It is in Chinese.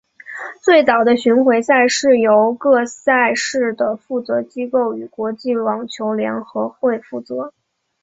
最早的巡回赛是由各赛事的负责机构与国际网球联合会负责。